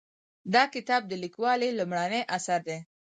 دا کتاب د لیکوالې لومړنی اثر دی